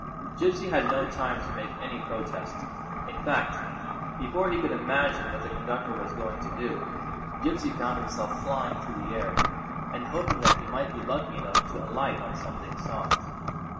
Gypsy had no time to make any protest. In fact, before he could imagine what the conductor was going to do, Gypsy found himself flying through the air and hoping that he might be lucky enough to alight on something soft.